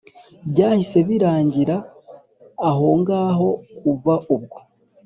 Byahise birangira ahongaho kuva ubwo